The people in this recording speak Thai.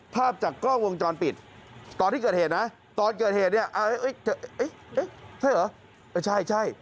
ภาพจากกล้องวงจรปิดตอนที่เกิดเหตุนะตอนเกิดเหตุเนี่ยใช่เหรอใช่